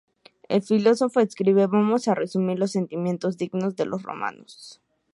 El filósofo escribe: "Vamos a resumir los sentimientos dignos de los romanos.